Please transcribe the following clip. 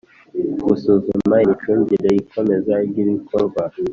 Gusuzuma imicungire y ikomeza ry ibikorwa